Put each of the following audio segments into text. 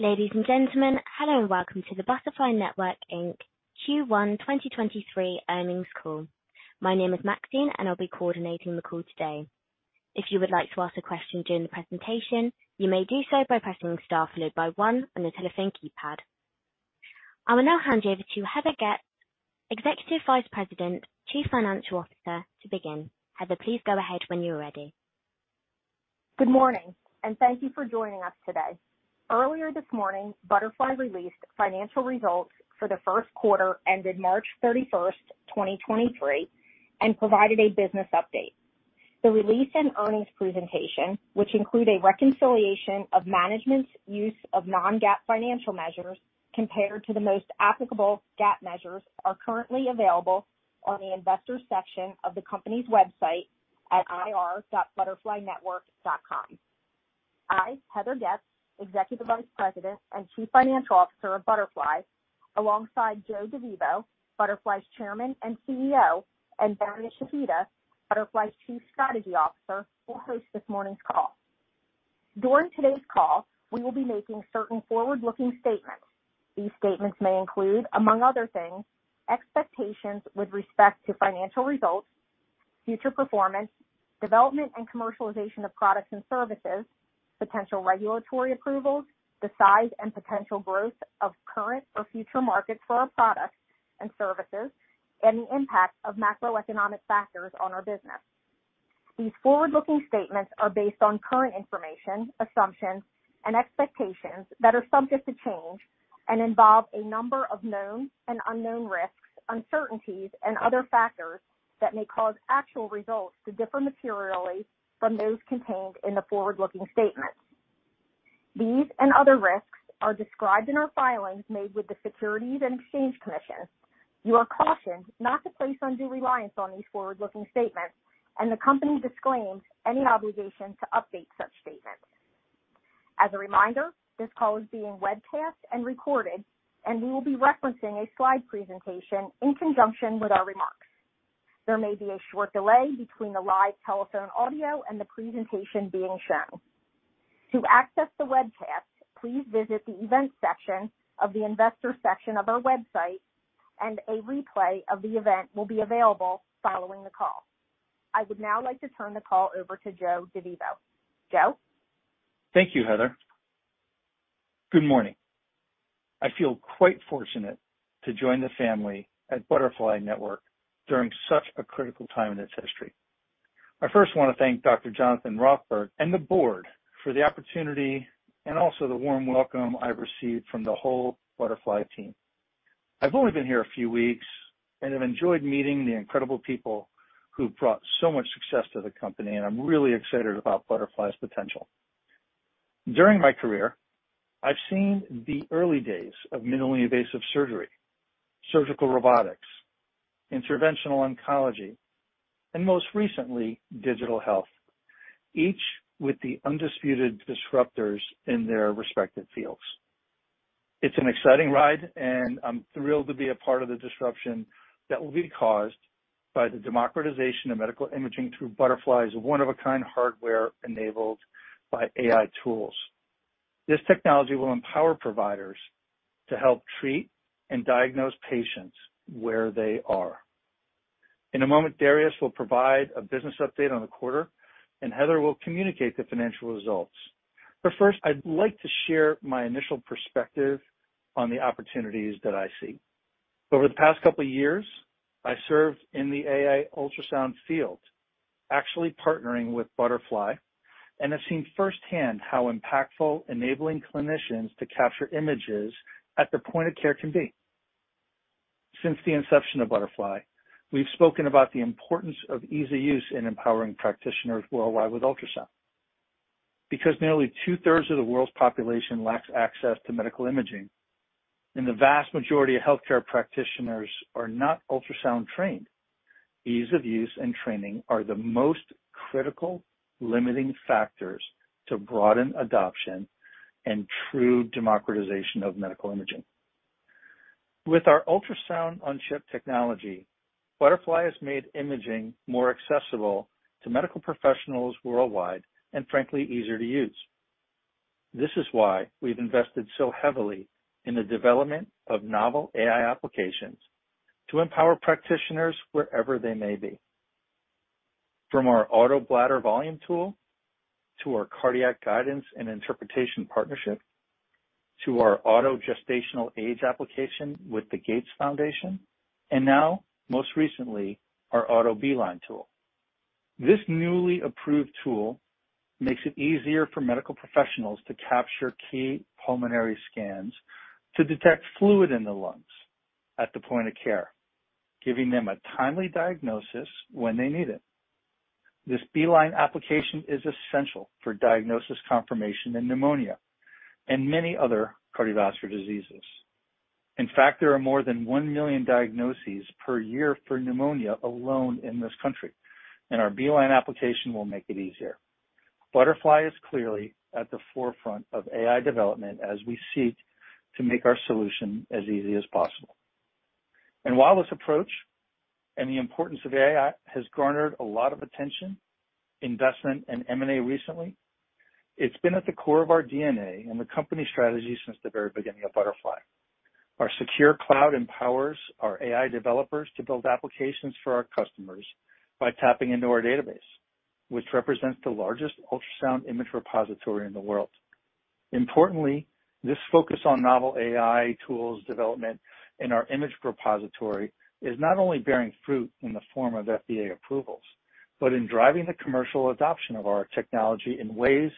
Ladies and gentlemen, hello and welcome to the Butterfly Network, Inc. Q1 2023 earnings call. My name is Maxine and I'll be coordinating the call today. If you would like to ask a question during the presentation, you may do so by pressing star followed by one on your telephone keypad. I will now hand you over to Heather Getz, Executive Vice President, Chief Financial Officer, to begin. Heather, please go ahead when you're ready. Good morning, and thank you for joining us today. Earlier this morning, Butterfly released financial results for the first quarter ended March 31, 2023, and provided a business update. The release and earnings presentation, which include a reconciliation of management's use of non-GAAP financial measures compared to the most applicable GAAP measures, are currently available on the investors section of the company's website at ir.butterflynetwork.com. I, Heather Getz, Executive Vice President and Chief Financial Officer of Butterfly, alongside Joseph DeVivo, Butterfly Chairman and CEO, and Darius Shahida, Butterfly Chief Strategy Officer, will host this morning's call. During today's call, we will be making certain forward-looking statements. These statements may include, among other things, expectations with respect to financial results, future performance, development and commercialization of products and services, potential regulatory approvals, the size and potential growth of current or future markets for our products and services, and the impact of macroeconomic factors on our business. These forward-looking statements are based on current information, assumptions, and expectations that are subject to change and involve a number of known and unknown risks, uncertainties and other factors that may cause actual results to differ materially from those contained in the forward-looking statements. These and other risks are described in our filings made with the Securities and Exchange Commission. You are cautioned not to place undue reliance on these forward-looking statements, and the company disclaims any obligation to update such statements. As a reminder, this call is being webcast and recorded, and we will be referencing a slide presentation in conjunction with our remarks. There may be a short delay between the live telephone audio and the presentation being shown. To access the webcast, please visit the events section of the investor section of our website, and a replay of the event will be available following the call. I would now like to turn the call over to Joseph DeVivo. Joe? Thank you, Heather. Good morning. I feel quite fortunate to join the family at Butterfly Network during such a critical time in its history. I first wanna thank Dr. Jonathan Rothberg and the board for the opportunity, and also the warm welcome I've received from the whole Butterfly team. I've only been here a few weeks and have enjoyed meeting the incredible people who've brought so much success to the company, and I'm really excited about Butterfly potential. During my career, I've seen the early days of minimally invasive surgery, surgical robotics, interventional oncology, and most recently, digital health, each with the undisputed disruptors in their respective fields. It's an exciting ride, and I'm thrilled to be a part of the disruption that will be caused by the democratization of medical imaging through Butterfly one-of-a-kind hardware enabled by AI tools. This technology will empower providers to help treat and diagnose patients where they are. In a moment, Darius will provide a business update on the quarter, and Heather will communicate the financial results. First, I'd like to share my initial perspective on the opportunities that I see. Over the past couple years, I served in the AI ultrasound field, actually partnering with Butterfly, and have seen firsthand how impactful enabling clinicians to capture images at the point of care can be. Since the inception of Butterfly, we've spoken about the importance of ease of use in empowering practitioners worldwide with ultrasound. Because nearly 2/3 of the world's population lacks access to medical imaging, and the vast majority of healthcare practitioners are not ultrasound-trained, ease of use and training are the most critical limiting factors to broaden adoption and true democratization of medical imaging. With our Ultrasound-on-Chip technology, Butterfly has made imaging more accessible to medical professionals worldwide and frankly easier to use. This is why we've invested so heavily in the development of novel AI applications to empower practitioners wherever they may be. From our Auto Bladder Volume tool to our cardiac guidance and interpretation partnership, to our auto gestational age application with the Gates Foundation, now most recently, our Auto B-line tool. This newly approved tool makes it easier for medical professionals to capture key pulmonary scans to detect fluid in the lungs at the point of care, giving them a timely diagnosis when they need it. This B-line application is essential for diagnosis confirmation in pneumonia and many other CVDs. In fact, there are more than 1 million diagnoses per year for pneumonia alone in this country, our B-line application will make it easier. Butterfly is clearly at the forefront of AI development as we seek to make our solution as easy as possible. While this approach and the importance of AI has garnered a lot of attention, investment, and M&A recently, it's been at the core of our DNA and the company strategy since the very beginning of Butterfly. Our secure Butterfly Cloud empowers our AI developers to build applications for our customers by tapping into our database, which represents the largest ultrasound image repository in the world. Importantly, this focus on novel AI tools development in our image repository is not only bearing fruit in the form of FDA approvals, but in driving the commercial adoption of our technology in ways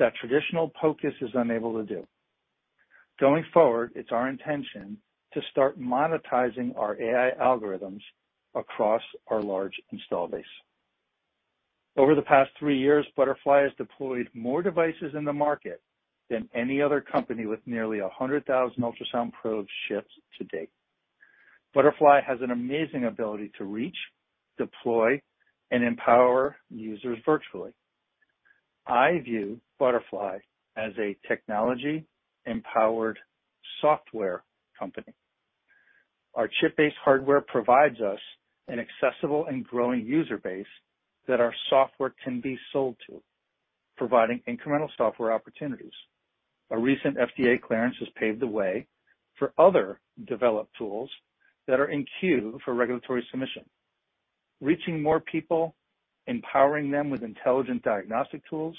that traditional POCUS is unable to do. Going forward, it's our intention to start monetizing our AI algorithms across our large install base. Over the past 3 years, Butterfly has deployed more devices in the market than any other company with nearly 100,000 ultrasound probes shipped to date. Butterfly has an amazing ability to reach, deploy, and empower users virtually. I view Butterfly as a technology-empowered software company. Our chip-based hardware provides us an accessible and growing user base that our software can be sold to, providing incremental software opportunities. A recent FDA clearance has paved the way for other developed tools that are in queue for regulatory submission. Reaching more people, empowering them with intelligent diagnostic tools,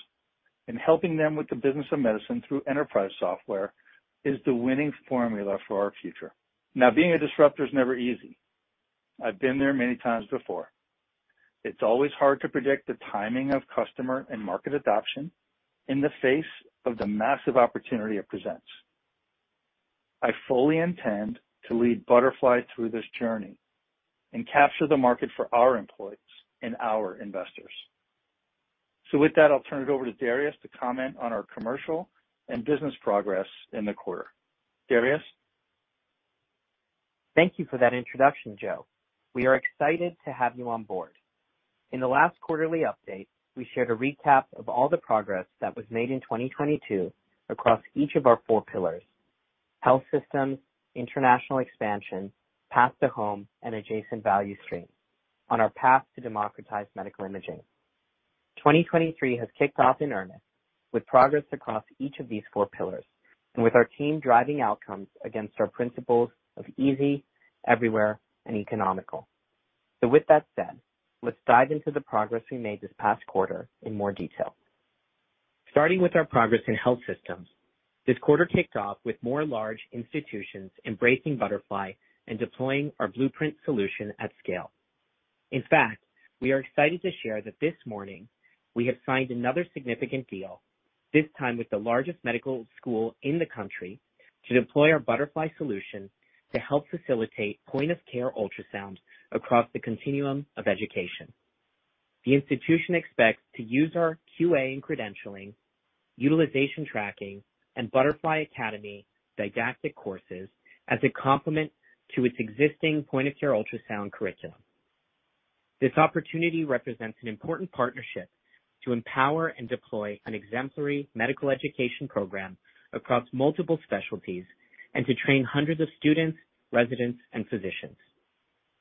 and helping them with the business of medicine through enterprise software is the winning formula for our future. Being a disruptor is never easy. I've been there many times before. It's always hard to predict the timing of customer and market adoption in the face of the massive opportunity it presents. I fully intend to lead Butterfly through this journey and capture the market for our employees and our investors. With that, I'll turn it over to Darius to comment on our commercial and business progress in the quarter. Darius? Thank you for that introduction, Joe. We are excited to have you on board. In the last quarterly update, we shared a recap of all the progress that was made in 2022 across each of our four pillars: health systems, international expansion, path to home, and adjacent value stream on our path to democratize medical imaging. 2023 has kicked off in earnest with progress across each of these four pillars, with our team driving outcomes against our principles of easy, everywhere, and economical. With that said, let's dive into the progress we made this past quarter in more detail. Starting with our progress in health systems, this quarter kicked off with more large institutions embracing Butterfly and deploying our Blueprint solution at scale. In fact, we are excited to share that this morning we have signed another significant deal, this time with the largest medical school in the country, to deploy our Butterfly solution to help facilitate POCUS across the continuum of education. The institution expects to use our QA and credentialing, utilization tracking, and Butterfly Academy didactic courses as a complement to its existing POCUS curriculum. This opportunity represents an important partnership to empower and deploy an exemplary medical education program across multiple specialties and to train hundreds of students, residents, and physicians.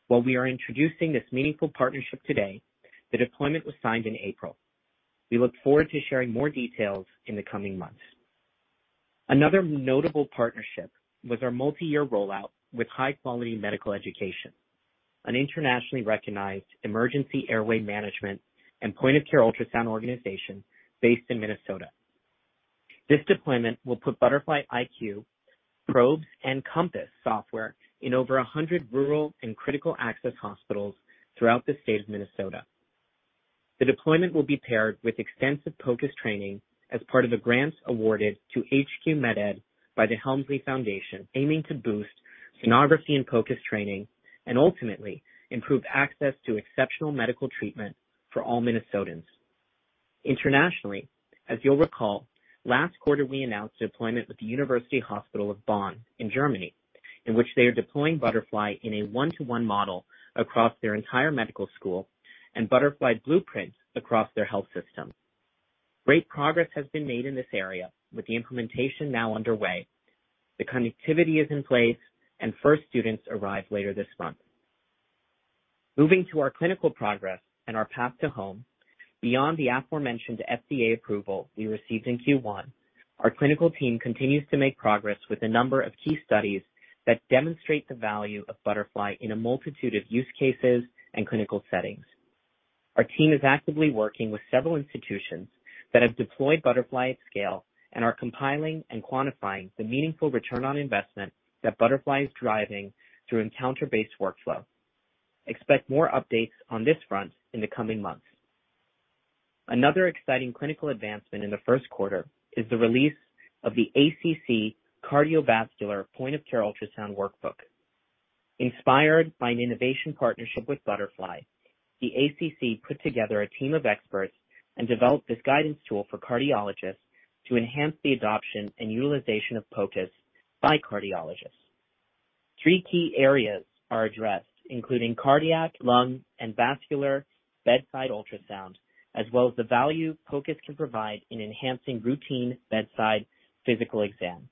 While we are introducing this meaningful partnership today, the deployment was signed in April. We look forward to sharing more details in the coming months. Another notable partnership was our multi-year rollout with HQMedEd, an internationally recognized emergency airway management and POCUS organization based in Minnesota. This deployment will put Butterfly iQ+ probes and Compass software in over 100 rural and critical access hospitals throughout the state of Minnesota. The deployment will be paired with extensive POCUS training as part of the grants awarded to HQMedEd by the Helmsley Foundation, aiming to boost sonography and POCUS training and ultimately improve access to exceptional medical treatment for all Minnesotans. Internationally, as you'll recall, last quarter, we announced deployment with the University Hospital Bonn in Germany, in which they are deploying Butterfly in a one-to-one model across their entire medical school and Butterfly Blueprint across their health system. Great progress has been made in this area with the implementation now underway. The connectivity is in place. First students arrive later this month. Moving to our clinical progress and our path to home. Beyond the aforementioned FDA approval we received in Q1, our clinical team continues to make progress with a number of key studies that demonstrate the value of Butterfly in a multitude of use cases and clinical settings. Our team is actively working with several institutions that have deployed Butterfly at scale and are compiling and quantifying the meaningful ROI that Butterfly is driving through encounter-based workflow. Expect more updates on this front in the coming months. Exciting clinical advancement in the first quarter is the release of the ACC Cardiovascular POCUS Workbook. Inspired by an innovation partnership with Butterfly, the ACC put together a team of experts and developed this guidance tool for Cardiologists to enhance the adoption and utilization of POCUS by Cardiologists. Three key areas are addressed, including cardiac, lung, and vascular bedside ultrasound, as well as the value POCUS can provide in enhancing routine bedside physical exams.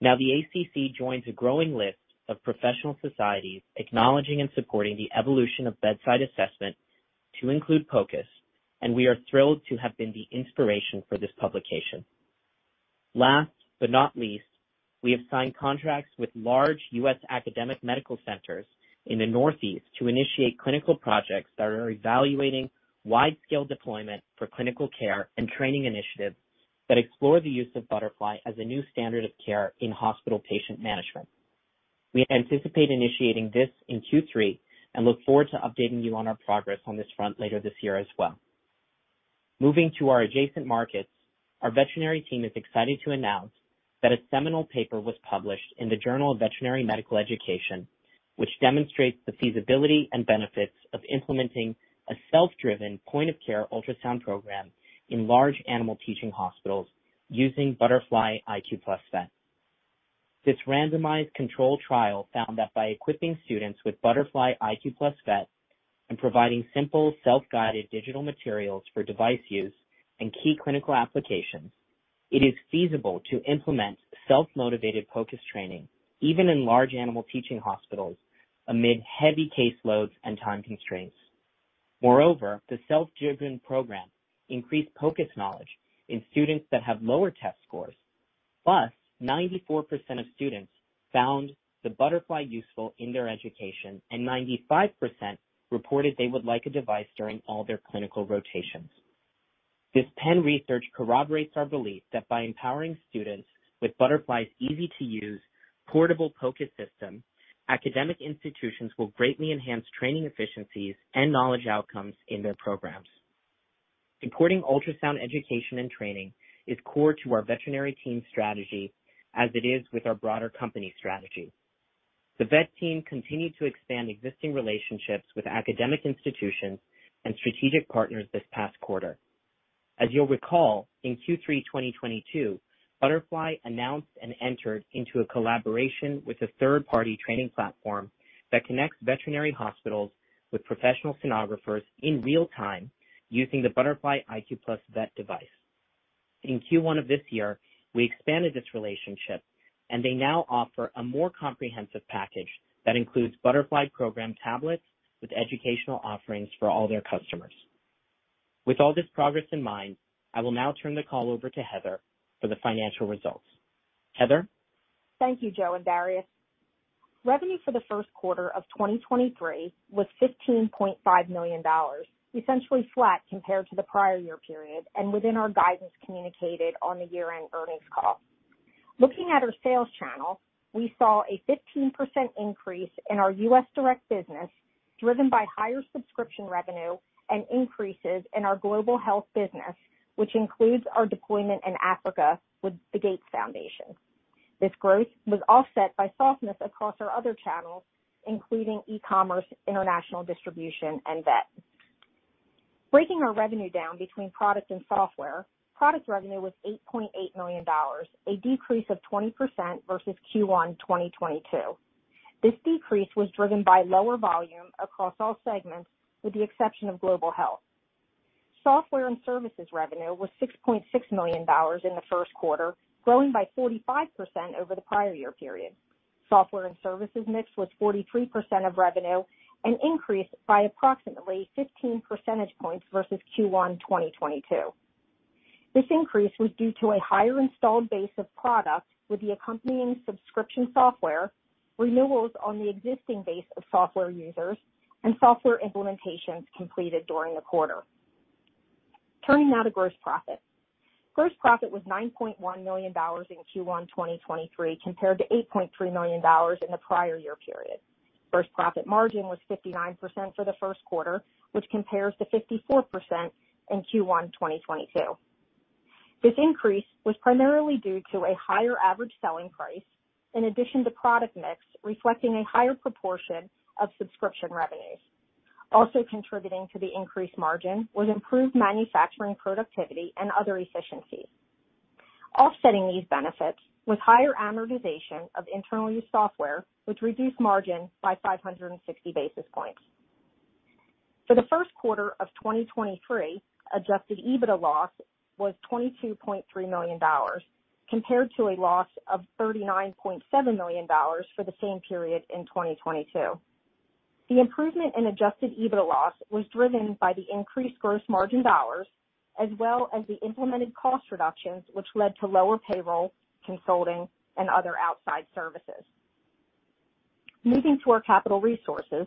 Now the ACC joins a growing list of professional societies acknowledging and supporting the evolution of bedside assessment to include POCUS, and we are thrilled to have been the inspiration for this publication. Last but not least, we have signed contracts with large US academic medical centers in the Northeast to initiate clinical projects that are evaluating wide-scale deployment for clinical care and training initiatives that explore the use of Butterfly as a new standard of care in hospital patient management. We anticipate initiating this in Q3 and look forward to updating you on our progress on this front later this year as well. Moving to our adjacent markets. Our veterinary team is excited to announce that a seminal paper was published in the JVME, which demonstrates the feasibility and benefits of implementing a self-driven POCUS program in large animal teaching hospitals using Butterfly iQ+ Vet. This randomized controlled trial found that by equipping students with Butterfly iQ+ Vet and providing simple, self-guided digital materials for device use and key clinical applications, it is feasible to implement self-motivated POCUS training even in large animal teaching hospitals amid heavy caseloads and time constraints. Moreover, the self-driven program increased POCUS knowledge in students that have lower test scores. 94% of students found the Butterfly useful in their education, and 95% reported they would like a device during all their clinical rotations. This Penn research corroborates our belief that by empowering students with Butterfly's easy-to-use portable POCUS system, academic institutions will greatly enhance training efficiencies and knowledge outcomes in their programs. Supporting ultrasound education and training is core to our veterinary team strategy, as it is with our broader company strategy. The vet team continued to expand existing relationships with academic institutions and strategic partners this past quarter. As you'll recall, in Q3 of 2022, Butterfly announced and entered into a collaboration with a third-party training platform that connects veterinary hospitals with professional sonographers in real time using the Butterfly iQ+ Vet device. In Q1 of this year, we expanded this relationship, and they now offer a more comprehensive package that includes Butterfly program tablets with educational offerings for all their customers. With all this progress in mind, I will now turn the call over to Heather for the financial results. Heather? Thank you, Joe and Darius. Revenue for the 1st quarter of 2023 was $15.5 million, essentially flat compared to the prior year period, and within our guidance communicated on the year-end earnings call. Looking at our sales channel, we saw a 15% increase in our US. direct business, driven by higher subscription revenue and increases in our global health business, which includes our deployment in Africa with the Gates Foundation. This growth was offset by softness across our other channels, including e-commerce, international distribution and vet. Breaking our revenue down between product and software. Product revenue was $8.8 million, a decrease of 20% versus Q1 of 2022. This decrease was driven by lower volume across all segments, with the exception of global health. Software and services revenue was $6.6 million in the first quarter, growing by 45% over the prior year period. Software and services mix was 43% of revenue, an increase by approximately 15 percentage points versus Q1 of 2022. This increase was due to a higher installed base of product with the accompanying subscription software, renewals on the existing base of software users and software implementations completed during the quarter. Turning now to gross profit. Gross profit was $9.1 million in Q1 of 2023 compared to $8.3 million in the prior year period. Gross profit margin was 59% for the first quarter, which compares to 54% in Q1 of 2022. This increase was primarily due to a higher average selling price in addition to product mix, reflecting a higher proportion of subscription revenues. Also contributing to the increased margin was improved manufacturing productivity and other efficiencies. Offsetting these benefits was higher amortization of internal use software, which reduced margin by 560 basis points. For the first quarter of 2023, adjusted EBITDA loss was $22.3 million, compared to a loss of $39.7 million for the same period in 2022. The improvement in adjusted EBITDA loss was driven by the increased gross margin dollars as well as the implemented cost reductions, which led to lower payroll, consulting and other outside services. Moving to our capital resources.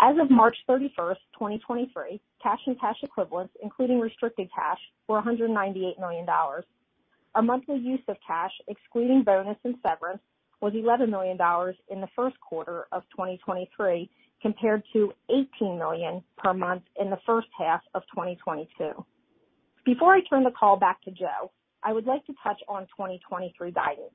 As of March 31st 2023, cash and cash equivalents, including restricted cash, were $198 million. Our monthly use of cash, excluding bonus and severance, was $11 million in the first quarter of 2023, compared to $18 million per month in the first half of 2022. Before I turn the call back to Joe, I would like to touch on 2023 guidance.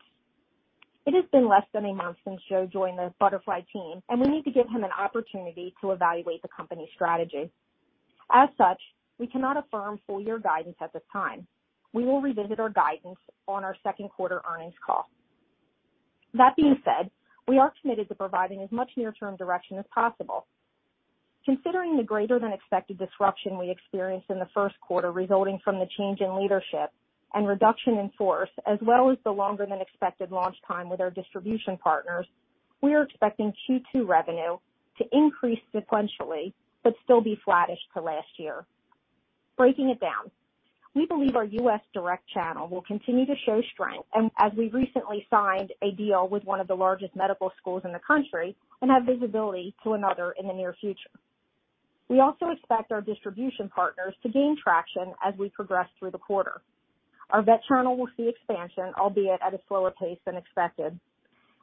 It has been less than a month since Joe joined the Butterfly team, and we need to give him an opportunity to evaluate the company's strategy. As such, we cannot affirm full year guidance at this time. We will revisit our guidance on our second quarter earnings call. That being said, we are committed to providing as much near-term direction as possible. Considering the greater than expected disruption we experienced in the first quarter resulting from the change in leadership and reduction in force, as well as the longer than expected launch time with our distribution partners, we are expecting Q2 revenue to increase sequentially, but still be flattish to last year. Breaking it down, we believe our US direct channel will continue to show strength and as we recently signed a deal with one of the largest medical schools in the country and have visibility to another in the near future. We also expect our distribution partners to gain traction as we progress through the quarter. Our vet channel will see expansion, albeit at a slower pace than expected.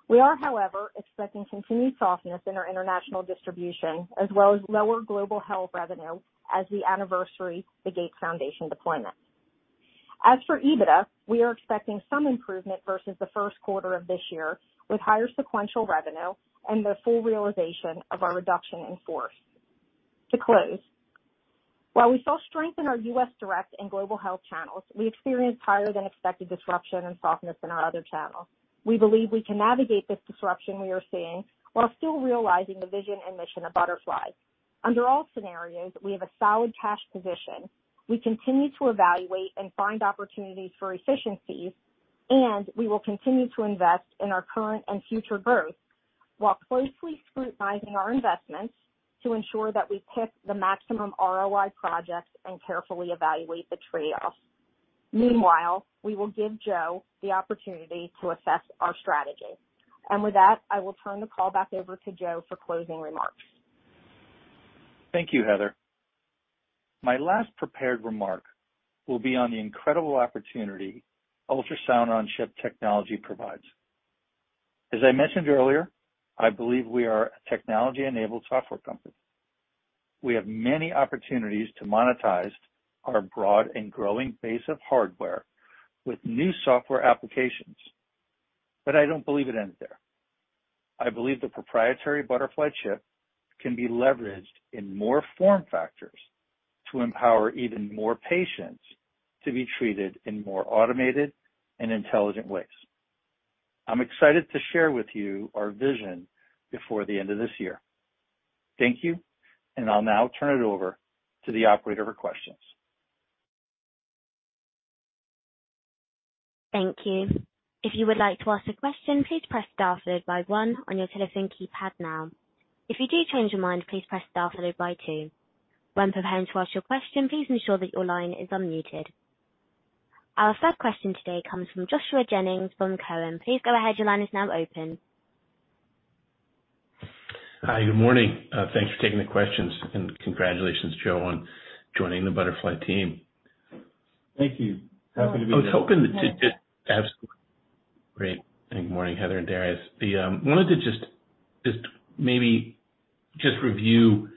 We are, however, expecting continued softness in our international distribution as well as lower global health revenue as we anniversary the Gates Foundation deployment. As for EBITDA, we are expecting some improvement versus the first quarter of this year, with higher sequential revenue and the full realization of our reduction in force. To close, while we saw strength in our U.S. direct and global health channels, we experienced higher than expected disruption and softness in our other channels. We believe we can navigate this disruption we are seeing while still realizing the vision and mission of Butterfly. Under all scenarios, we have a solid cash position. We continue to evaluate and find opportunities for efficiencies, and we will continue to invest in our current and future growth while closely scrutinizing our investments to ensure that we pick the maximum ROI projects and carefully evaluate the trade-offs. Meanwhile, we will give Joe the opportunity to assess our strategy. With that, I will turn the call back over to Joe for closing remarks. Thank you, Heather. My last prepared remark will be on the incredible opportunity Ultrasound-on-Chip technology provides. As I mentioned earlier, I believe we are a technology-enabled software company. We have many opportunities to monetize our broad and growing base of hardware with new software applications. I don't believe it ends there. I believe the proprietary Butterfly chip can be leveraged in more form factors to empower even more patients to be treated in more automated and intelligent ways. I'm excited to share with you our vision before the end of this year. Thank you. I'll now turn it over to the operator for questions. Thank you. If you would like to ask a question, please press star followed by one on your telephone keypad now. If you do change your mind, please press star followed by two. When preparing to ask your question, please ensure that your line is unmuted. Our first question today comes from Joshua Jennings from Cowen. Please go ahead. Your line is now open. Hi, good morning. Thanks for taking the questions and congratulations, Joe, on joining the Butterfly team. Thank you. Happy to be here. Absolutely. Great. Good morning, Heather and Darius. Wanted to just maybe just review,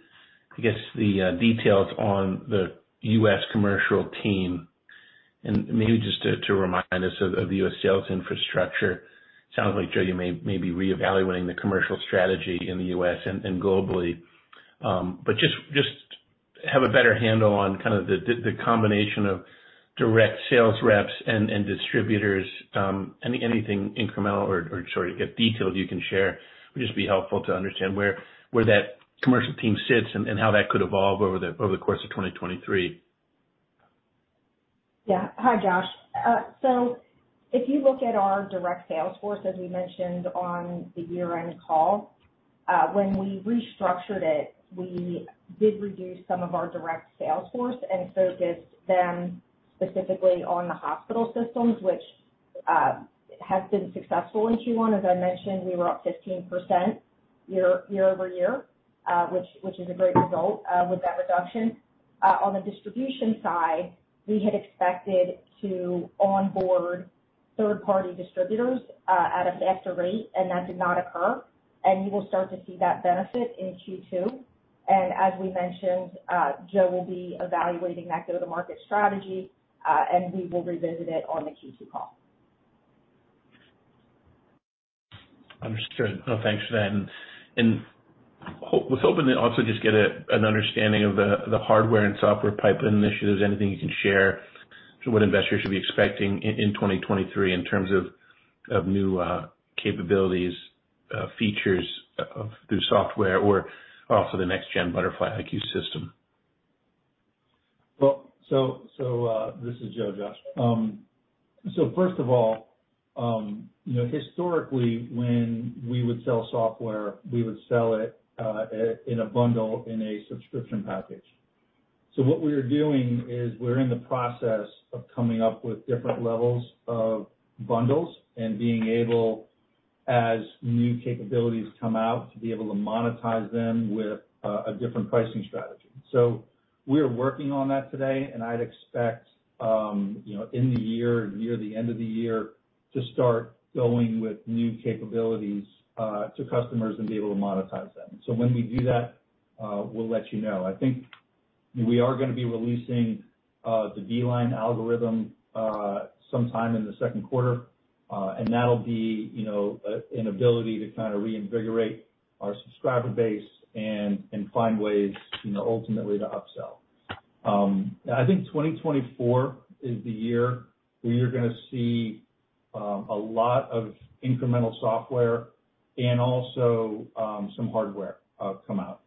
I guess, the details on the US commercial team and maybe just to remind us of the US sales infrastructure. Sounds like, Joe, you may be reevaluating the commercial strategy in the US and globally. Just have a better handle on kind of the combination of direct sales reps and distributors. Anything incremental or sorry, you get detailed you can share, would just be helpful to understand where that commercial team sits and how that could evolve over the course of 2023. Yeah. Hi, Josh. If you look at our direct sales force, as we mentioned on the year-end call, when we restructured it, we did reduce some of our direct sales force and focused them specifically on the hospital systems, which has been successful in Q1. As I mentioned, we were up 15% year-over-year, which is a great result with that reduction. On the distribution side, we had expected to onboard third-party distributors at a faster rate, and that did not occur. You will start to see that benefit in Q2. As we mentioned, Joe will be evaluating that go-to-market strategy, and we will revisit it on the Q2 call. Understood. No, thanks for that. was hoping to also just get an understanding of the hardware and software pipeline initiatives. Anything you can share to what investors should be expecting in 2023 in terms of new capabilities, features, through software or also the next gen Butterfly IQ system. Well, so, this is Joe, Josh. First of all, you know, historically, when we would sell software, we would sell it in a bundle in a subscription package. What we are doing is we're in the process of coming up with different levels of bundles and being able, as new capabilities come out, to be able to monetize them with a different pricing strategy. We are working on that today, and I'd expect, you know, in the year, near the end of the year, to start going with new capabilities to customers and be able to monetize them. When we do that, we'll let you know. I think we are gonna be releasing the B-line algorithm sometime in the second quarter. That'll be, you know, an ability to kind of reinvigorate our subscriber base and find ways, you know, ultimately to upsell. I think 2024 is the year where you're gonna see a lot of incremental software and also some hardware come out.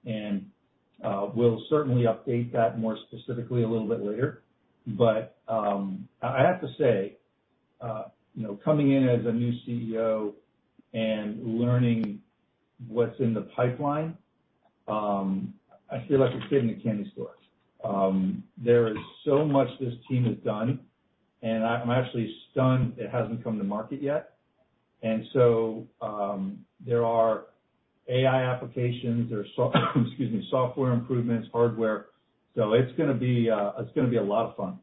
We'll certainly update that more specifically a little bit later. I have to say, you know, coming in as a new CEO and learning what's in the pipeline, I feel like a kid in a candy store. There is so much this team has done, and I'm actually stunned it hasn't come to market yet. There are AI applications, there's excuse me, software improvements, hardware. It's gonna be a lot of fun.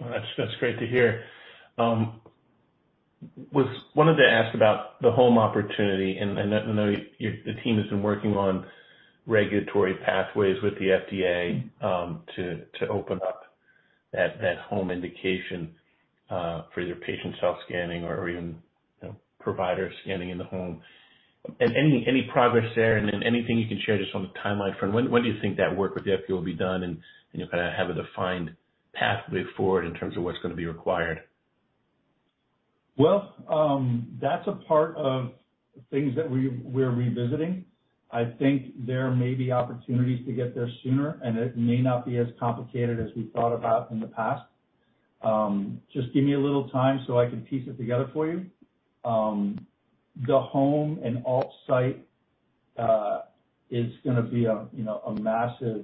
Well, that's great to hear. wanted to ask about the home opportunity and I know the team has been working on regulatory pathways with the FDA to open up that home indication for either patient self-scanning or even, you know, provider scanning in the home. Any progress there? Anything you can share just from the timeline front. When do you think that work with the FDA will be done, and you'll kinda have a defined pathway forward in terms of what's gonna be required? Well, that's a part of things that we're revisiting. I think there may be opportunities to get there sooner, and it may not be as complicated as we thought about in the past. Just give me a little time so I can piece it together for you. The home and alt site is gonna be a, you know, a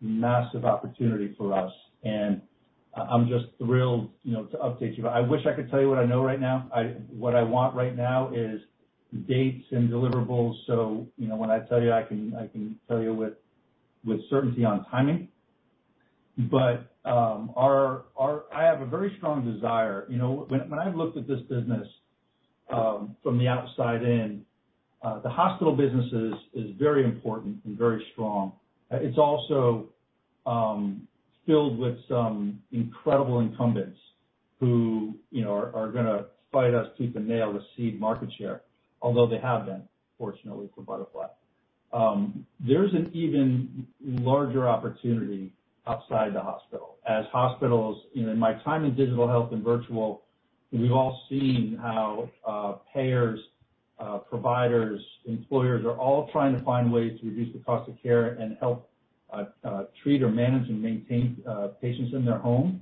massive opportunity for us. I'm just thrilled, you know, to update you. I wish I could tell you what I know right now. What I want right now is dates and deliverables so, you know, when I tell you, I can, I can tell you with certainty on timing. Our, our... I have a very strong desire. You know, when I've looked at this business from the outside in, the hospital business is very important and very strong. It's also filled with some incredible incumbents who, you know, are gonna fight us tooth and nail to cede market share, although they have been, fortunately for Butterfly. There's an even larger opportunity outside the hospital. You know, in my time in digital health and virtual, we've all seen how payers, providers, employers are all trying to find ways to reduce the cost of care and help treat or manage and maintain patients in their home.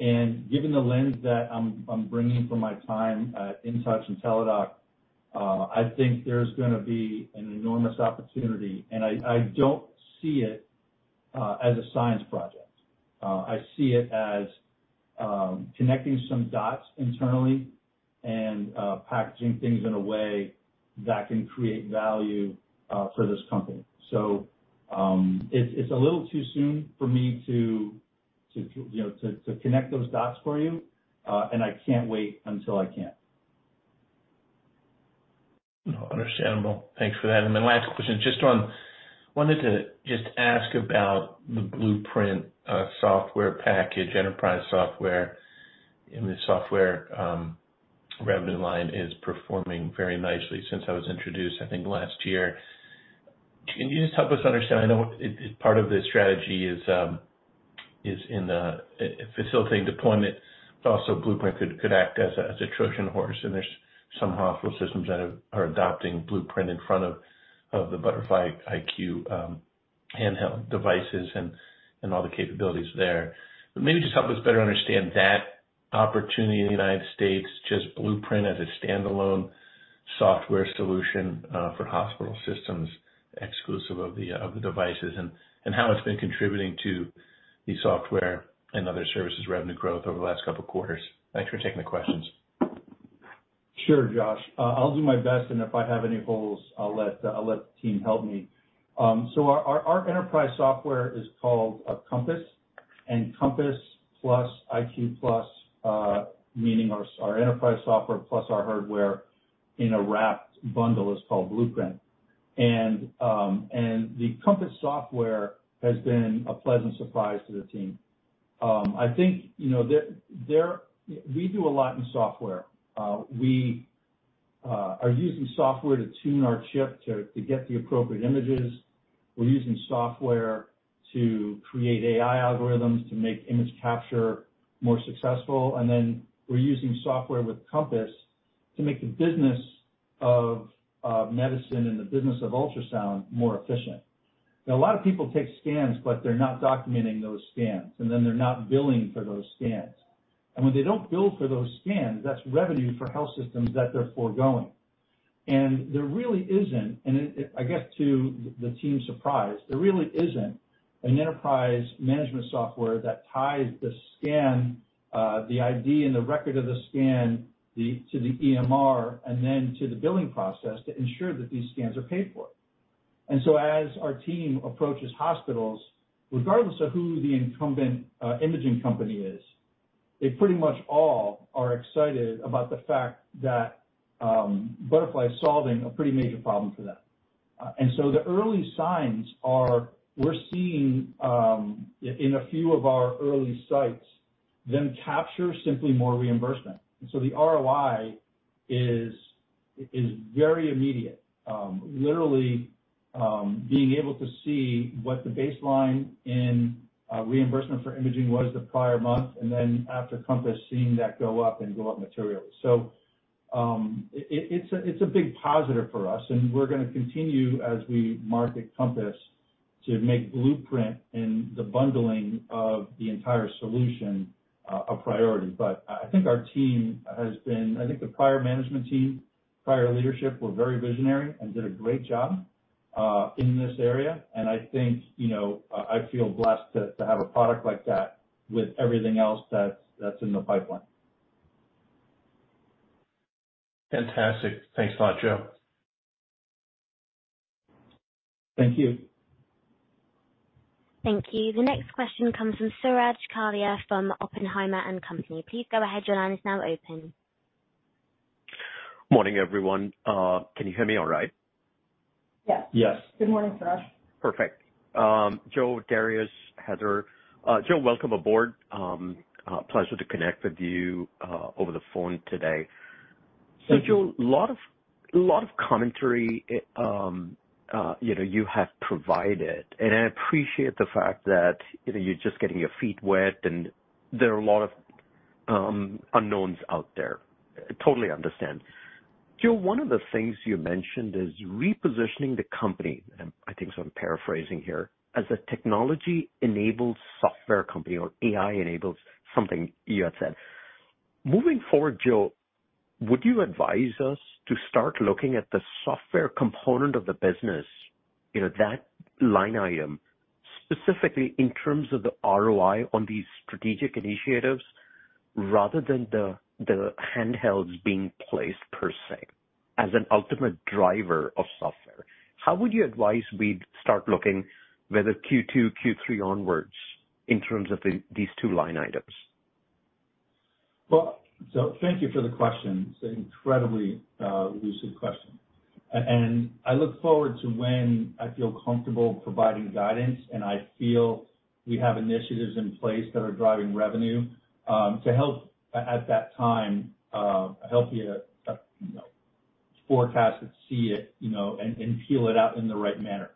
Given the lens that I'm bringing from my time at InTouch and Teladoc, I think there's gonna be an enormous opportunity, and I don't see it as a science project. I see it as connecting some dots internally and packaging things in a way that can create value for this company. It's, it's a little too soon for me to, you know, to connect those dots for you, and I can't wait until I can. No, understandable. Thanks for that. Then last question, wanted to just ask about the Blueprint software package, enterprise software, and the software revenue line is performing very nicely since it was introduced, I think, last year. Can you just help us understand? I know part of the strategy is in the facilitating deployment, but also Blueprint could act as a Trojan horse, and there's some hospital systems that are adopting Blueprint in front of the Butterfly IQ+ handheld devices and all the capabilities there. maybe just help us better understand that opportunity in the United States, just Butterfly Blueprint as a standalone software solution, for hospital systems exclusive of the devices and how it's been contributing to the software and other services revenue growth over the last couple quarters? Thanks for taking the questions. Sure, Josh. I'll do my best, and if I have any holes, I'll let the team help me. Our enterprise software is called Compass, and Compass plus Butterfly IQ+, meaning our enterprise software plus our hardware in a wrapped bundle, is called Butterfly Blueprint. The Compass software has been a pleasant surprise to the team. I think, you know, we do a lot in software. We are using software to tune our chip to get the appropriate images. We're using software to create AI algorithms to make image capture more successful, and then we're using software with Compass to make the business of medicine and the business of ultrasound more efficient. A lot of people take scans, but they're not documenting those scans, and then they're not billing for those scans. When they don't bill for those scans, that's revenue for health systems that they're foregoing. There really isn't, I guess to the team's surprise, there really isn't an enterprise management software that ties the scan, the ID and the record of the scan to the EMR and then to the billing process to ensure that these scans are paid for. As our team approaches hospitals, regardless of who the incumbent, imaging company is, they pretty much all are excited about the fact that Butterfly's solving a pretty major problem for them. The early signs are we're seeing in a few of our early sites. Capture simply more reimbursement. The ROI is very immediate. Literally, being able to see what the baseline in reimbursement for imaging was the prior month and then after Compass seeing that go up materially. It's a big positive for us, and we're gonna continue as we market Compass to make Blueprint and the bundling of the entire solution, a priority. I think our team has been... I think the prior management team, prior leadership were very visionary and did a great job in this area. I think, you know, I feel blessed to have a product like that with everything else that's in the pipeline. Fantastic. Thanks a lot, Joe. Thank you. Thank you. The next question comes from Suraj Kalia from Oppenheimer and Company. Please go ahead. Your line is now open. Morning, everyone. Can you hear me all right? Yes. Yes. Good morning, Suraj. Perfect. Joe, Darius, Heather. Joe, welcome aboard. Pleasure to connect with you over the phone today. Thank you. Joe, lot of commentary, you know, you have provided, and I appreciate the fact that, you know, you're just getting your feet wet, and there are a lot of unknowns out there. Totally understand. Joe, one of the things you mentioned is repositioning the company, I'm paraphrasing here, as a technology-enabled software company or AI-enabled something you had said. Moving forward, Joe, would you advise us to start looking at the software component of the business, you know, that line item specifically in terms of the ROI on these strategic initiatives rather than the handhelds being placed per se as an ultimate driver of software? How would you advise we'd start looking whether Q2, Q3 onwards in terms of these two line items? Thank you for the question. It's an incredibly lucid question. I look forward to when I feel comfortable providing guidance, and I feel we have initiatives in place that are driving revenue, to help at that time, help you know, forecast and see it, you know, and peel it out in the right manner.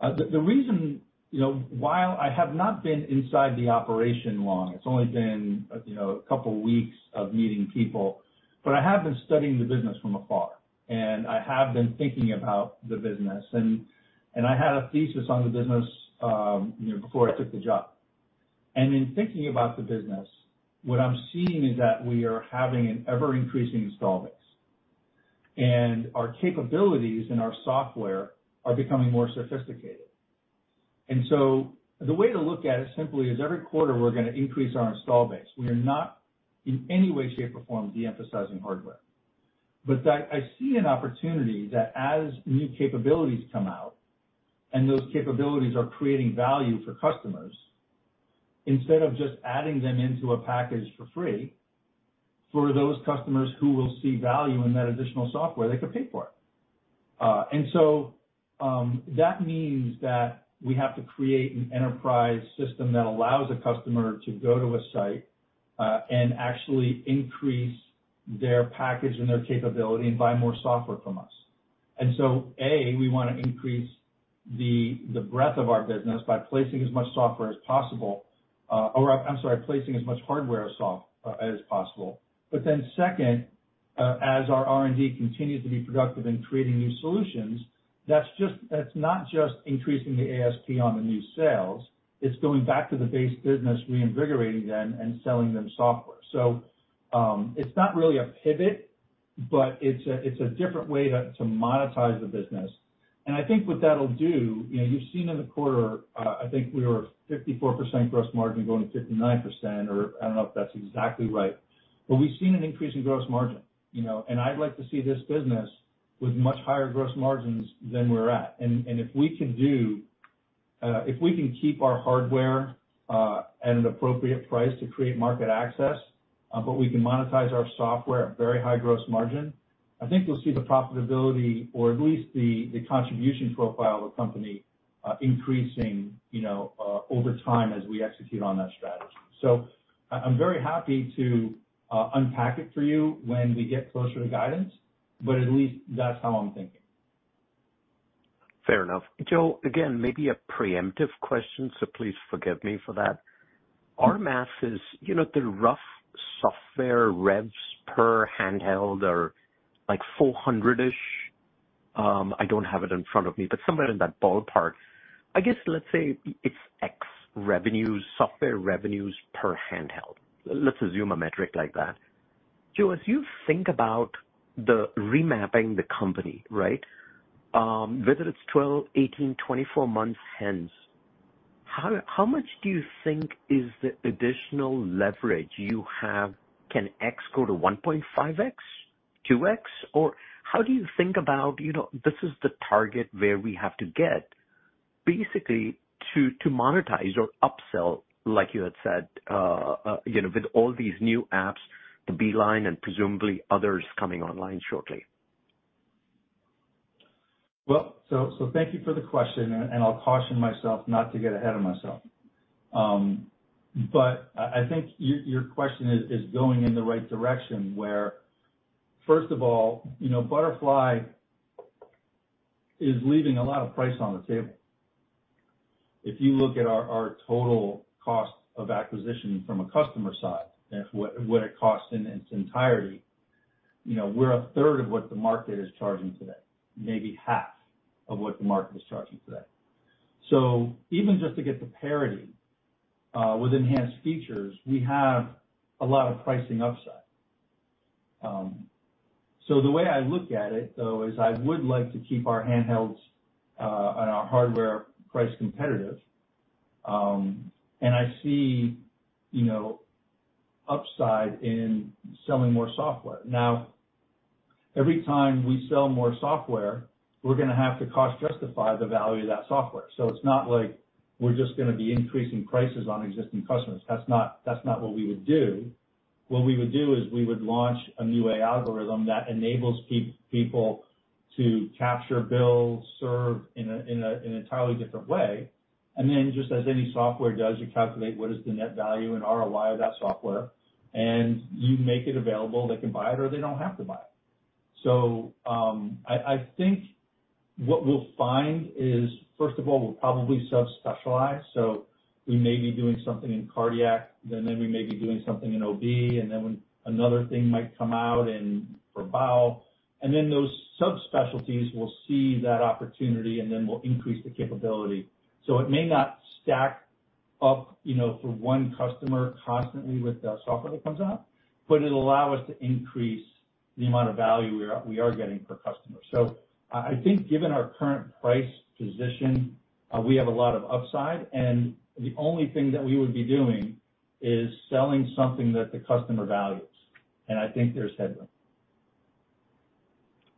The reason, you know, while I have not been inside the operation long, it's only been, you know, a couple weeks of meeting people, but I have been studying the business from afar. I have been thinking about the business and I had a thesis on the business, you know, before I took the job. In thinking about the business, what I'm seeing is that we are having an ever-increasing install base, and our capabilities and our software are becoming more sophisticated. The way to look at it simply is every quarter we're gonna increase our install base. We are not in any way, shape, or form de-emphasizing hardware. I see an opportunity that as new capabilities come out and those capabilities are creating value for customers, instead of just adding them into a package for free, for those customers who will see value in that additional software, they could pay for it. That means that we have to create an enterprise system that allows a customer to go to a site, and actually increase their package and their capability and buy more software from us. A, we wanna increase the breadth of our business by placing as much software as possible, or I'm sorry, placing as much hardware as possible. Second, as our R&D continues to be productive in creating new solutions, that's not just increasing the ASP on the new sales, it's going back to the base business, reinvigorating them and selling them software. It's not really a pivot, but it's a different way to monetize the business. I think what that'll do, you know, you've seen in the quarter, I think we were 54% gross margin going to 59% or I don't know if that's exactly right. We've seen an increase in gross margin, you know, and I'd like to see this business with much higher gross margins than we're at. If we can do, if we can keep our hardware at an appropriate price to create market access, but we can monetize our software at very high gross margin, I think you'll see the profitability or at least the contribution profile of the company increasing, you know, over time as we execute on that strategy. I'm very happy to unpack it for you when we get closer to guidance, but at least that's how I'm thinking. Fair enough. Joe, again, maybe a preemptive question, so please forgive me for that. Sure. Our math is, you know, the rough software revs per handheld are, like, $400-ish. I don't have it in front of me, somewhere in that ballpark. I guess let's say it's X revenues, software revenues per handheld. Let's assume a metric like that. Joe, as you think about the remapping the company, right? Whether it's 12-18, 24 months hence, how much do you think is the additional leverage you have? Can X go to 1.5X? 2X? How do you think about, you know, this is the target where we have to get basically to monetize or upsell, like you had said, you know, with all these new apps, the B-line and presumably others coming online shortly? Thank you for the question, and I'll caution myself not to get ahead of myself. I think your question is going in the right direction, where first of all, you know, Butterfly is leaving a lot of price on the table. If you look at our total cost of acquisition from a customer side and what it costs in its entirety, you know, we're 1/3 of what the market is charging today, maybe 1/2 of what the market is charging today. Even just to get to parity, with enhanced features, we have a lot of pricing upside. The way I look at it though is I would like to keep our handhelds and our hardware price competitive, and I see, you know, upside in selling more software. Every time we sell more software, we're gonna have to cost justify the value of that software. It's not like we're just gonna be increasing prices on existing customers. That's not what we would do. What we would do is we would launch a new AI algorithm that enables people to capture, bill, serve in an entirely different way. Then just as any software does, you calculate what is the net value and ROI of that software, and you make it available. They can buy it or they don't have to buy it. I think what we'll find is, first of all, we'll probably sub-specialize. We may be doing something in cardiac, then we may be doing something in OB, and then when another thing might come out in for bowel, and then those subspecialties will see that opportunity, and then we'll increase the capability. It may not stack up, you know, for one customer constantly with the software that comes out, but it'll allow us to increase the amount of value we are getting per customer. I think given our current price position, we have a lot of upside, and the only thing that we would be doing is selling something that the customer values, and I think there's headroom.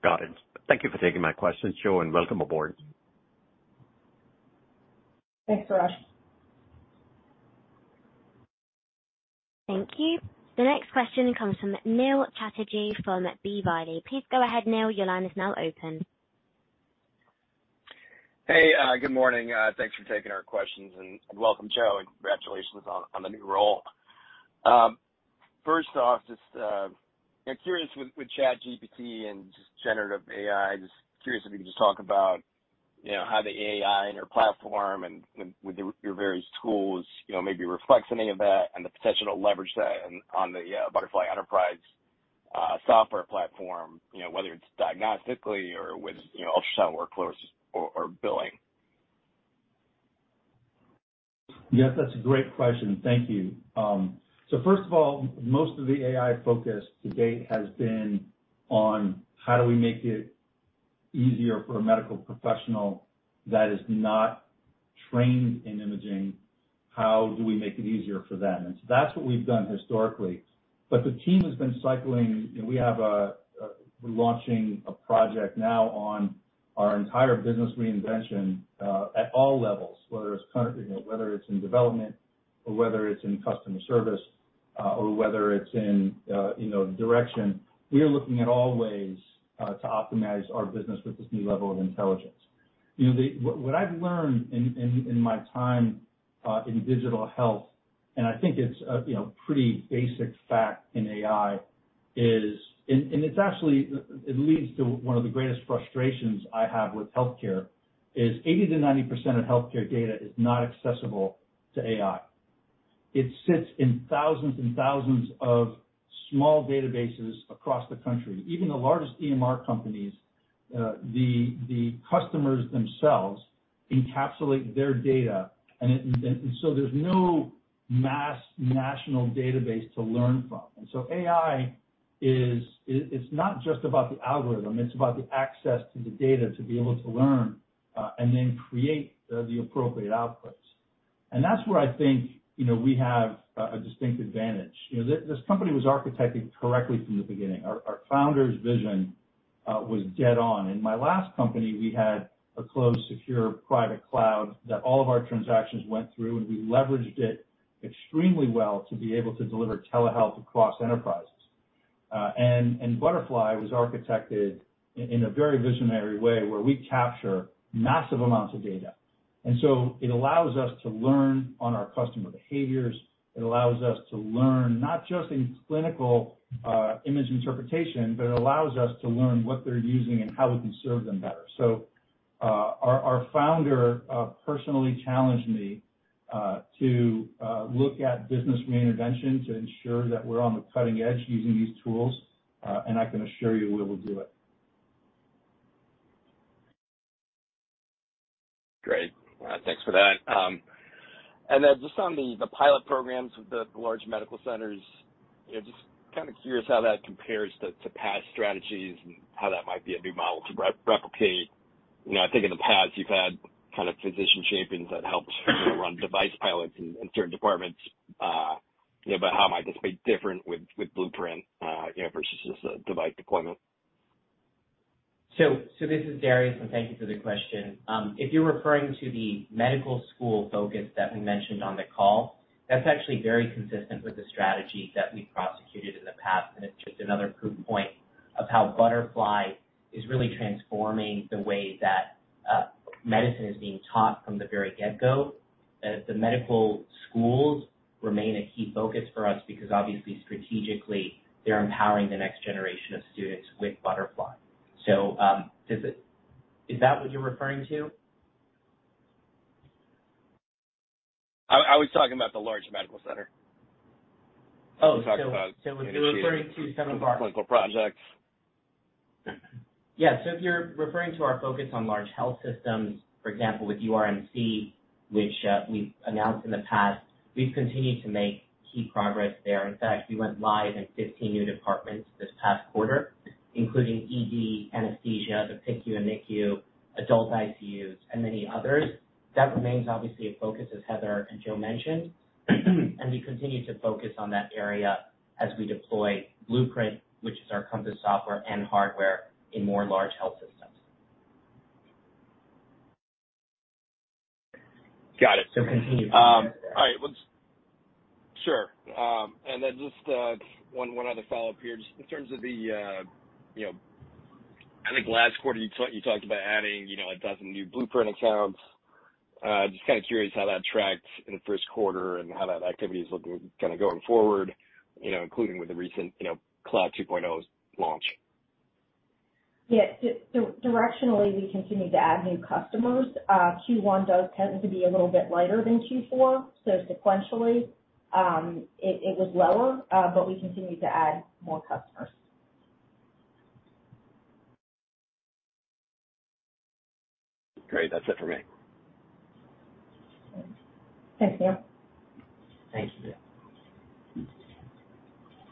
Got it. Thank you for taking my question, Joe. Welcome aboard. Thanks, Raj. Thank you. The next question comes from Neil Chatterji from B. Riley. Please go ahead, Neil. Your line is now open. Hey, good morning. Thanks for taking our questions, welcome Joe, and congratulations on the new role. First off, just, yeah, curious with ChatGPT and just generative AI, just curious if you could just talk about, you know, how the AI in your platform and with your various tools, you know, maybe reflects any of that and the potential to leverage that on the Butterfly Enterprise software platform. You know, whether it's diagnostically or with, you know, ultrasound workloads or billing. Yes, that's a great question. Thank you. First of all, most of the AI focus to date has been on how do we make it easier for a medical professional that is not trained in imaging, how do we make it easier for them? That's what we've done historically. The team has been cycling... You know, we have a We're launching a project now on our entire business reinvention at all levels, whether it's current, you know, whether it's in development or whether it's in customer service, or whether it's in, you know, direction. We are looking at all ways to optimize our business with this new level of intelligence. You know, what I've learned in my time in digital health, and I think it's a, you know, pretty basic fact in AI is... It's actually, it leads to one of the greatest frustrations I have with healthcare is 80%-90% of healthcare data is not accessible to AI. It sits in thousands and thousands of small databases across the country. Even the largest EMR Companies, the customers themselves encapsulate their data, so there's no mass national database to learn from. AI is, it's not just about the algorithm, it's about the access to the data to be able to learn, and then create the appropriate outputs. That's where I think, you know, we have a distinct advantage. You know, this company was architected correctly from the beginning. Our Founder's vision was dead on. In my last company, we had a closed, secure private cloud that all of our transactions went through, and we leveraged it extremely well to be able to deliver telehealth across enterprises. Butterfly was architected in a very visionary way, where we capture massive amounts of data. It allows us to learn on our customer behaviors. It allows us to learn not just in clinical image interpretation, but it allows us to learn what they're using and how we can serve them better. Our founder personally challenged me to look at business reinvention to ensure that we're on the cutting edge using these tools, and I can assure you we will do it. Great. Thanks for that. Just on the pilot programs with the large medical centers, you know, just kinda curious how that compares to past strategies and how that might be a new model to replicate. You know, I think in the past you've had kind of physician champions that helped sort of run device pilots in certain departments. How might this be different with Blueprint, you know, versus just a device deployment? This is Darius. Thank you for the question. If you're referring to the medical school focus that we mentioned on the call, that's actually very consistent with the strategy that we prosecuted in the past, it's just another proof point of how Butterfly is really transforming the way that medicine is being taught from the very get-go. The medical schools remain a key focus for us because obviously strategically they're empowering the next generation of students with Butterfly. Is that what you're referring to? I was talking about the large medical center. Oh. We talked about-. The $32.7 mark. Some clinical projects. Yeah. If you're referring to our focus on large health systems, for example, with URMC, which we've announced in the past, we've continued to make key progress there. In fact, we went live in 15 new departments this past quarter, including ED, anesthesia, the PICU, NICU, adult ICU, and many others. That remains obviously a focus, as Heather and Joe mentioned, and we continue to focus on that area as we deploy Blueprint, which is our Compass software and hardware in more large health systems. Got it. So continuing- All right. Sure. Then just one other follow-up here. Just in terms of the, you know, I think last quarter you talked about adding, you know, 12 new Blueprint accounts. Just kind of curious how that tracked in the first quarter and how that activity is looking kind of going forward, you know, including with the recent, you know, Cloud 2.0's launch. Yeah. Directionally, we continue to add new customers. Q1 does tend to be a little bit lighter than Q4. Sequentially, it was lower. We continue to add more customers. Great. That's it for me. Thank you. Thanks.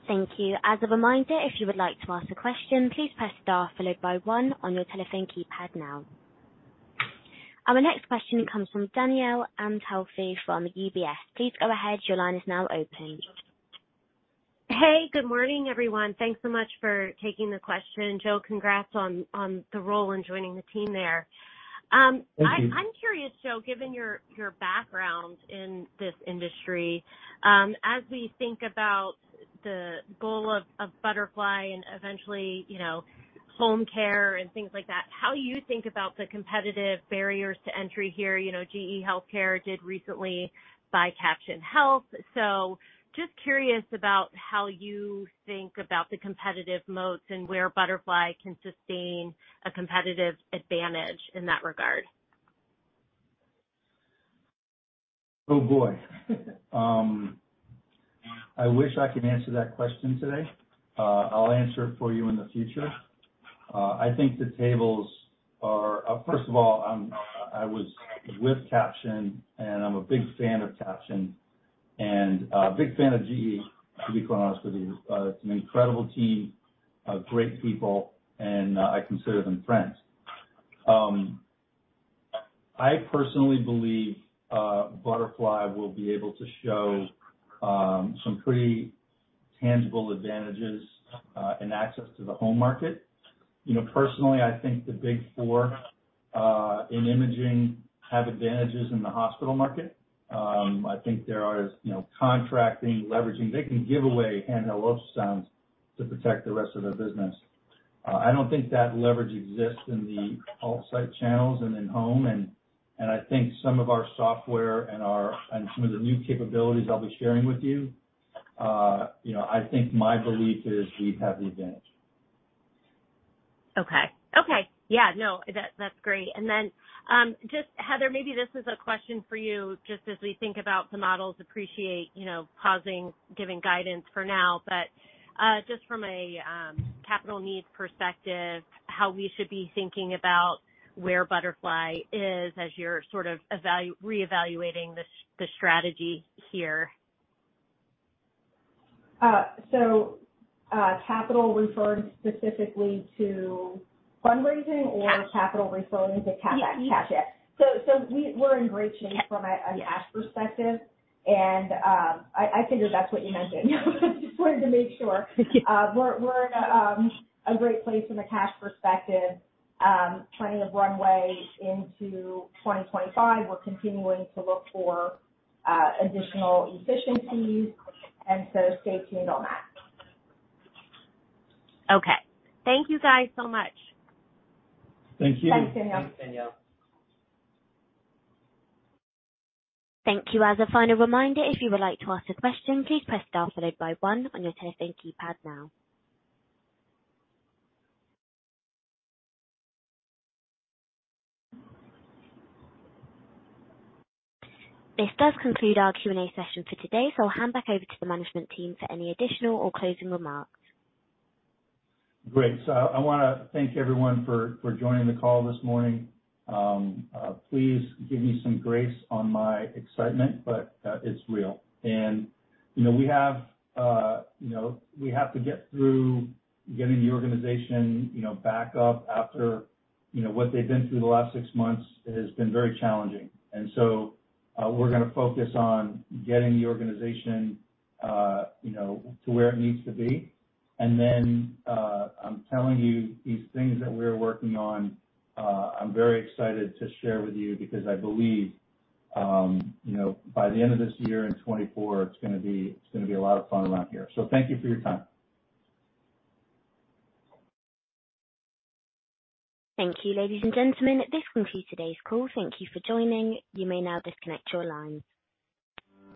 Thank you. As a reminder, if you would like to ask a question, please press star followed by one on your telephone keypad now. Our next question comes from Danielle Antalffy from UBS. Please go ahead. Your line is now open. Hey. Good morning, everyone. Thanks so much for taking the question. Joe, congrats on the role in joining the team there. Thank you. I'm curious, Joe, given your background in this industry, as we think about the goal of Butterfly and eventually, you know, home care and things like that, how you think about the competitive barriers to entry here. You know, GE HealthCare did recently buy Caption Health. Just curious about how you think about the competitive moats and where Butterfly can sustain a competitive advantage in that regard. Oh, boy. I wish I could answer that question today. I'll answer it for you in the future. I think First of all, I was with Caption, and I'm a big fan of Caption and a big fan of GE, to be quite honest with you. It's an incredible team of great people, and I consider them friends. I personally believe Butterfly will be able to show some pretty tangible advantages in access to the home market. You know, personally, I think the big four in imaging have advantages in the hospital market. I think there are, you know, contracting, leveraging. They can give away handheld ultrasounds to protect the rest of their business. I don't think that leverage exists in the off-site channels and in home, and I think some of our software and some of the new capabilities I'll be sharing with you know, I think my belief is we have the advantage. Okay. Okay. Yeah. No, that's great. Then, just Heather, maybe this is a question for you, just as we think about the models. Appreciate, you know, pausing, giving guidance for now, but, just from a capital needs perspective, how we should be thinking about where Butterfly is as you're reevaluating the strategy here? Capital referring specifically to fundraising. Yeah. Capital referring to cash. Yeah. We're in great shape from a cash perspective and I figured that's what you meant. Just wanted to make sure. Thank you. We're in a great place from a cash perspective. Plenty of runway into 2025. We're continuing to look for additional efficiencies, and so stay tuned on that. Okay. Thank you guys so much. Thank you. Thanks, Danielle. Thanks, Danielle. Thank you. As a final reminder, if you would like to ask a question, please press star followed by one on your telephone keypad now. This does conclude our Q&A session for today, so I'll hand back over to the management team for any additional or closing remarks. Great. I wanna thank everyone for joining the call this morning. Please give me some grace on my excitement, but it's real. You know, we have, you know, we have to get through getting the organization, you know, back up after, you know, what they've been through the last six months has been very challenging. We're gonna focus on getting the organization, you know, to where it needs to be. I'm telling you these things that we're working on, I'm very excited to share with you because I believe, you know, by the end of this year in 2024, it's gonna be a lot of fun around here. Thank you for your time. Thank you, ladies and gentlemen. This concludes today's call. Thank you for joining. You may now disconnect your lines.